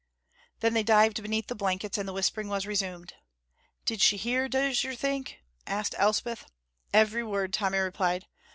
Then they dived beneath the blankets, and the whispering was resumed. "Did she hear, does yer think?" asked Elspeth. "Every word," Tommy replied.